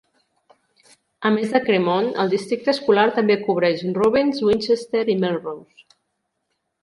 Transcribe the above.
A més de Craigmont, el districte escolar també cobreix Reubens, Winchester i Melrose.